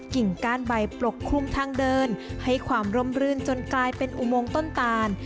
กิ่งก้านใบปกคลุมทางเดินให้ความร่มรื่นจนกลายเป็นอุโมงต้นตาล